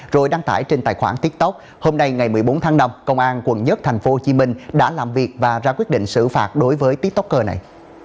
rồi đăng tải trên tài khoản tiktok hôm nay ngày một mươi bốn tháng năm công an quận một tp hcm đã làm việc và ra quyết định xử phạt đối với tiktoker này